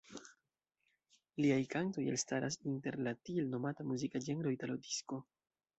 Liaj kantoj elstaras inter la tiel nomata muzika ĝenro italo-disko.